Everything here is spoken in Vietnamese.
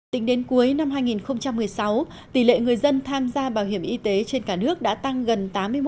tính đến cuối năm hai nghìn một mươi sáu tỷ lệ người dân tham gia bảo hiểm y tế trên cả nước đã tăng gần tám mươi một